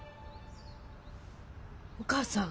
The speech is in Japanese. お母さん！